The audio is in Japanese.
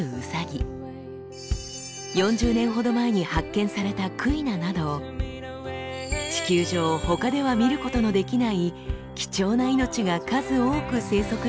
４０年ほど前に発見されたクイナなど地球上他では見ることのできない貴重な命が数多く生息しています。